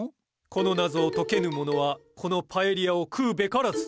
この謎を解けぬ者はこのパエリアを食うべからず！